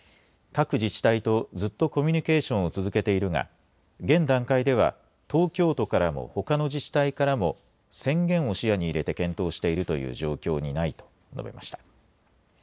各自治体とずっとコミニケーションを続けているが現段階では東京都からもほかの自治体からも宣言を視野に入れて検討しているという状況にないと述べました。